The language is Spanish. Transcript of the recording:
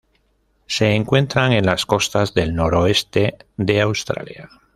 Se encuentran en las costas del noroeste de Australia.